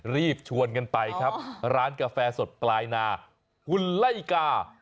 รีบชวนกันไปครับร้านกาแฟสดปลายนาหุ่นไล่กา